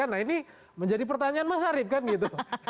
nah ini menjadi pertanyaan mas arief kan gitu